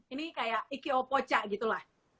ini kayak iki opocha gitu lah